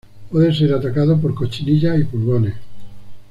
Puede ser atacado por cochinilla y pulgones.